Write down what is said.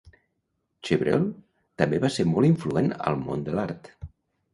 Chevreul també va ser molt influent al món de l'art.